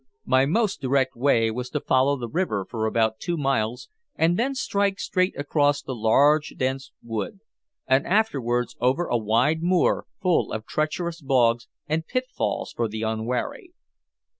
My most direct way was to follow the river for about two miles and then strike straight across the large dense wood, and afterwards over a wide moor full of treacherous bogs and pitfalls for the unwary.